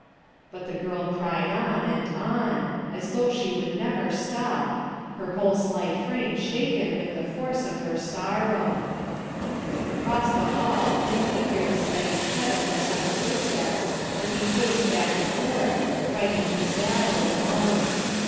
But the girl cried on, and on, as though she would never stop, her whole slight frame shaken with the force of her sorrow Across the hall Ruth could hear the steady tread of her son's footsteps as he paced hack and forth, fighting his battle aloue.